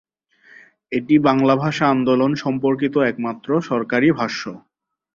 এটি বাংলা ভাষা আন্দোলন সম্পর্কিত একমাত্র সরকারি ভাষ্য।